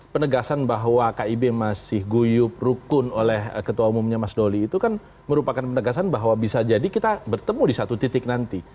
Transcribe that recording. penegasan bahwa kib masih guyup rukun oleh ketua umumnya mas doli itu kan merupakan penegasan bahwa bisa jadi kita bertemu di satu titik nanti